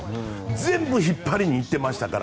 全部、引っ張りに行ってましたから。